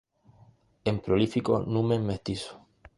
En prolífico numen mestizo.